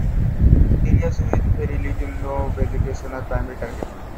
Areas with very little to no vegetation are the primary target.